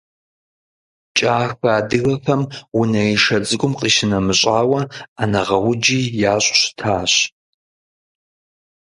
КӀахэ адыгэхэм унэишэ цӀыкӀум къищынэмыщӀауэ, Ӏэнэгъэуджи ящӀу щытащ.